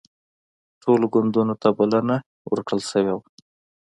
ټولو ګوندونو ته بلنه ورکړل شوې وه